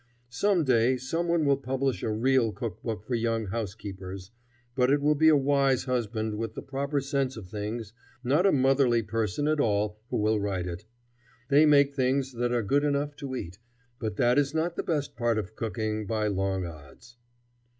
Some day some one will publish a real cook book for young housekeepers, but it will be a wise husband with the proper sense of things, not a motherly person at all, who will write it. They make things that are good enough to eat, but that is not the best part of cooking by long odds.